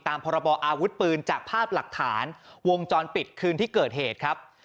พรบออาวุธปืนจากภาพหลักฐานวงจรปิดคืนที่เกิดเหตุครับ